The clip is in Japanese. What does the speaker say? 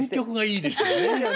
いいですよね。